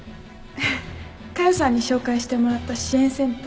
佳代さんに紹介してもらった支援センター